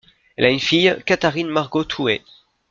Elle a une fille, Katharine Margot Toohey.